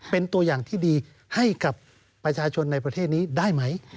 เป็นตัวอย่างที่ดีให้กับประชาชนในประเทศนี้ได้ไหม